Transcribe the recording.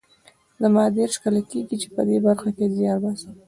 زما دېرش کاله کېږي چې په دې برخه کې زیار باسم